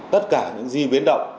tất cả những di biến động